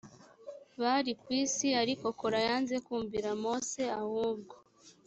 bari ku isi ariko kora yanze kumvira mose ahubwo